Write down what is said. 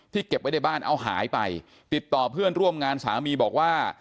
เก็บไว้ในบ้านเอาหายไปติดต่อเพื่อนร่วมงานสามีบอกว่า